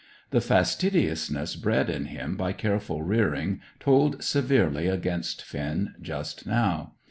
The fastidiousness bred in him by careful rearing told severely against Finn just now.